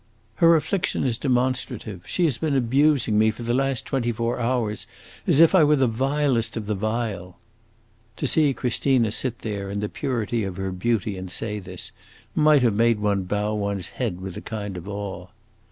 "Her affliction is demonstrative. She has been abusing me for the last twenty four hours as if I were the vilest of the vile." To see Christina sit there in the purity of her beauty and say this, might have made one bow one's head with a kind of awe.